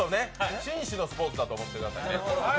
紳士のスポーツだと思ってくださいね。